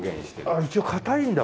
一応硬いんだ？